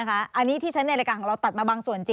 อันนี้ที่ฉันในรายการของเราตัดมาบางส่วนจริง